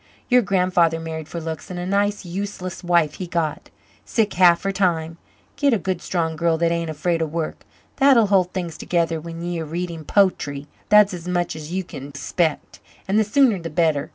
Your grandfather married for looks, and a nice useless wife he got sick half her time. Git a good strong girl that ain't afraid of work, that'll hold things together when ye're reading po'try that's as much as you kin expect. And the sooner the better.